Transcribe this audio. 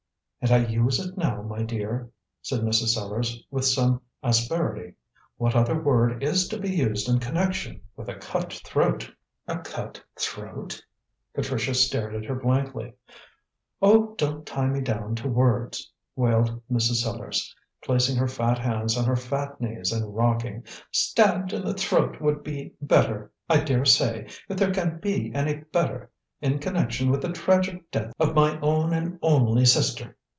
"And I use it now, my dear," said Mrs. Sellars, with some asperity. "What other word is to be used in connection with a cut throat?" "A cut throat!" Patricia stared at her blankly. "Oh, don't tie me down to words," wailed Mrs. Sellars, placing her fat hands on her fat knees and rocking. "Stabbed in the throat would be better, I daresay, if there can be any better in connection with the tragic death of my own and only sister.